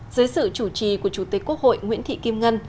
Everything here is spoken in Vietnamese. dưới sự chủ trì của chủ tịch quốc hội nguyễn thị kim ngân